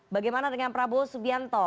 bagaimana dengan prabowo subianto